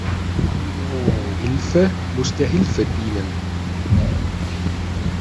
Hilfe muss der Hilfe dienen.